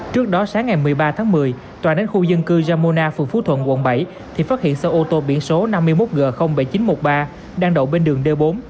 trước đó sáng ngày một mươi ba tháng một mươi tòa đến khu dân cư jamona phường phú thuận quận bảy thì phát hiện xe ô tô biển số năm mươi một g bảy nghìn chín trăm một mươi ba đang đậu bên đường d bốn